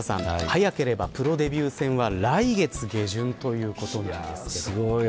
早ければプロデビュー戦は、来月下旬ということなんですけど。